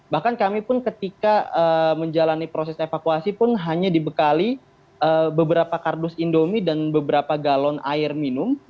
bahkan kami pun ketika menjalani proses evakuasi pun hanya dibekali beberapa kardus indomie dan beberapa galon air minum